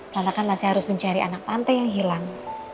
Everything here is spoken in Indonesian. tante kan masih harus mencari anak tante yang hilang